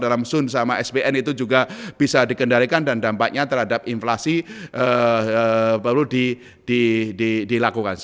jadi ya karena keuntungan ini terhadap samsung sama sbn itu juga bisa dikendalikan dan dampaknya terhadap inflasi perlu dilakukan